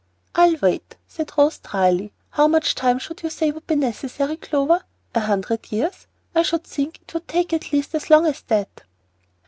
"I'll wait," said Rose, dryly. "How much time should you say would be necessary, Clover? A hundred years? I should think it would take at least as long as that."